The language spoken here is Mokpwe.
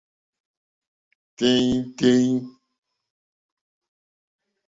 Téɲítéɲí.